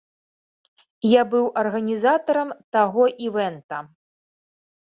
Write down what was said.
Я быў арганізатарам таго івэнта.